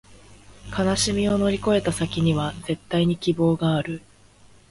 悲しみを乗り越えた先には、絶対に希望がある